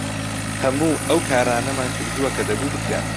هەموو ئەو کارانەمان کردووە کە دەبوو بکرێن.